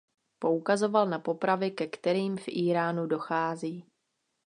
Poukazoval na popravy, ke kterým v Íránu dochází.